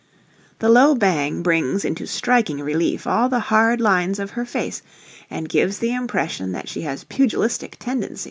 The low bang brings into striking relief all the hard lines of her face and gives the impression that she has pugilistic tendencies.